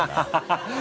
ハハハハ！